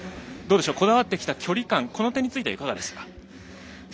こだわってきた距離感この点に関してはいかがですか。